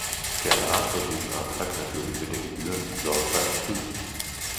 Der Rat wird diesen Antrag natürlich mit der gebührenden Sorgfalt prüfen.